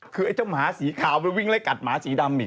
คือไอ้เจ้าหมาสีขาวไปวิ่งอะไรกัดหมาสีดํ้อีก